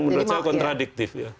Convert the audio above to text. menurut saya kontradiktif